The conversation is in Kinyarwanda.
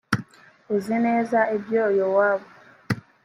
uzi neza ibyo yowabu